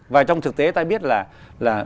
và trong thực tế ta biết là